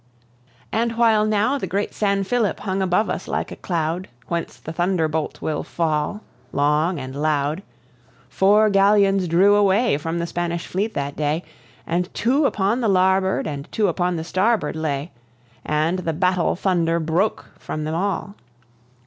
And while now the great San Philip hung above us like a cloud Whence the thunderbolt will fall Long and loud. Four galleons drew away From the Spanish fleet that day, And two upon the larboard and two upon the starboard lay, And the battle thunder broke from them all.